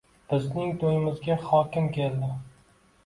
Bizning to`yimizga hokim keldi